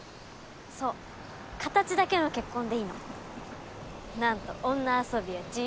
そう形だけの結婚でいいなんと女遊びは自由！